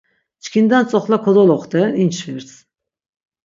Çkinden tzoxle kodoloxt̆eren, inçvirs.